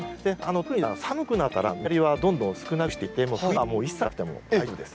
特にですね寒くなったら水やりはどんどん少なくして頂いて冬は一切やらなくても大丈夫です。